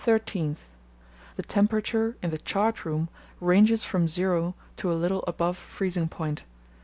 —The temperature in the chart room ranges from zero to a little above freezing point.